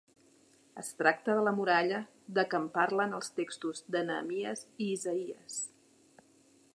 Es tracta de la muralla de què en parlen els textos de Nehemies i Isaïes.